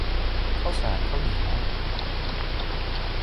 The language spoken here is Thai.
ข้าวสารข้าวเหนียว